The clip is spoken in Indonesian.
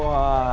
nih ya udah